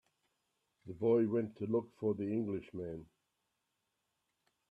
The boy went to look for the Englishman.